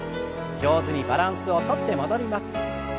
上手にバランスをとって戻ります。